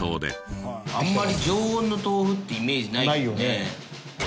あんまり常温の豆腐ってイメージないよね。